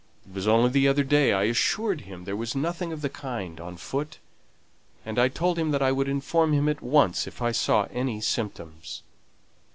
It was only the other day I assured him there was nothing of the kind on foot; and I told him then I would inform him at once if I saw any symptoms."